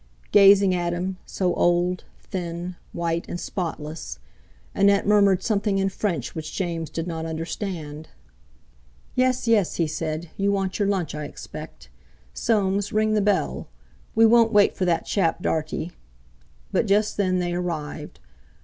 Gazing at him, so old, thin, white, and spotless, Annette murmured something in French which James did not understand. "Yes, yes," he said, "you want your lunch, I expect. Soames, ring the bell; we won't wait for that chap Dartie." But just then they arrived.